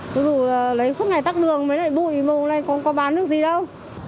ví dụ lấy suốt ngày tắt đường với lại bùi mà hôm nay còn có bán được gì đâu